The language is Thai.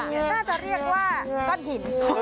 น่าจะเรียกว่าก้อนหิน